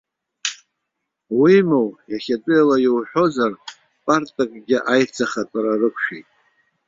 Уимоу, иахьатәи ала иуҳәозар, партакгьы аицахатәара рықәшәеит.